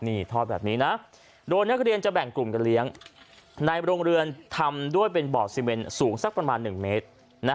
นี่ทอดแบบนี้นะโดยนักเรียนจะแบ่งกลุ่มกันเลี้ยงในโรงเรือนทำด้วยเป็นบ่อซีเมนสูงสักประมาณ๑เมตร